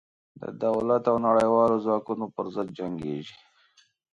د دولت او نړېوالو ځواکونو پر ضد جنګېږي.